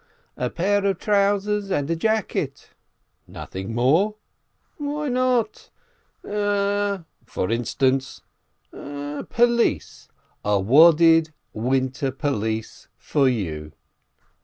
"A pair of trousers and a jacket —" "Nothing more?" "Why not? A—" "For instance?" "Pelisse, a wadded winter pelisse for you."